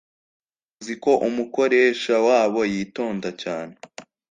uziko umukoresha wabo yitonda cyane